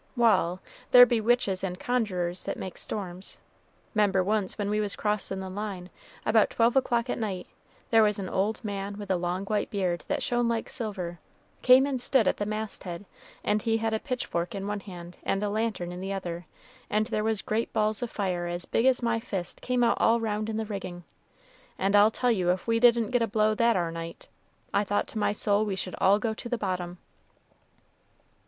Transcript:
"Wal', there be witches and conjurers that make storms. 'Member once when we was crossin' the line, about twelve o'clock at night, there was an old man with a long white beard that shone like silver, came and stood at the masthead, and he had a pitchfork in one hand, and a lantern in the other, and there was great balls of fire as big as my fist came out all round in the rigging. And I'll tell you if we didn't get a blow that ar night! I thought to my soul we should all go to the bottom."